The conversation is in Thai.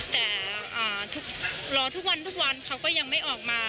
แต่รอทุกวันทุกวันเขาก็ยังไม่ออกมา